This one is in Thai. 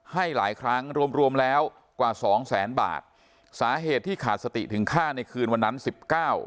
ให้หลายครั้งรวมรวมแล้วกว่าสองแสนบาทสาเหตุที่ขาดสติถึงฆ่าในคืนวันนั้นสิบเก้า